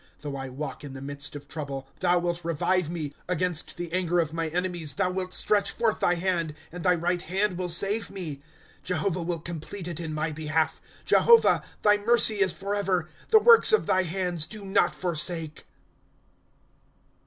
^ Though I walk in the midst of trouble, thou wilt revive me ; Against the anger of my enemies thou wilt stretch forth thy hand, And thy right hand will save me. * Jehovah will complete it in my hehalf ; Jehovah, thy mercy is forever. The works of thy hands do not forsake